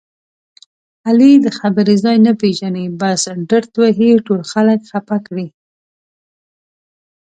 علي د خبرې ځای نه پېژني بس ډرت وهي ټول خلک خپه کړي.